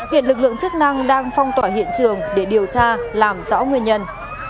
hiện lực lượng chức năng đang phong tỏa hiện trường để điều tra làm rõ nguyên nhân